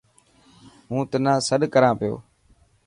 هون تنا سڏ ڪران پيو.